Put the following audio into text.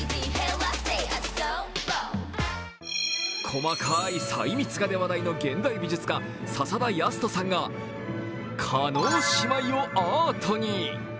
細かい細密画で話題の現代美術家笹田靖人さんが叶姉妹をアートに。